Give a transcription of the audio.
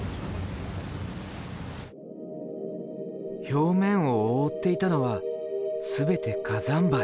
表面を覆っていたのは全て火山灰。